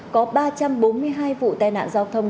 có ba trăm bốn mươi hai vụ tai nạn giao thông